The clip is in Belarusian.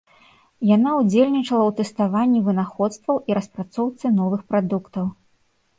Яна ўдзельнічала ў тэставанні вынаходстваў і распрацоўцы новых прадуктаў.